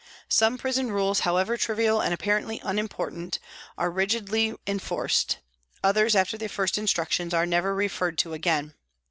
Some prison rules, however trivial and apparently unimportant, are rigidly enforced, others after the first instructions are never referred to again.